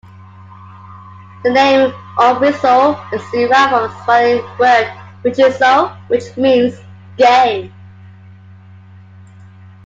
The name "Omweso" is derived from Swahili word "michezo", which means "game".